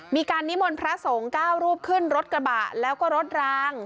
มีการนิมนต์พระสงฆ์๙รูปขึ้นรถกระบะแล้วก็รถราง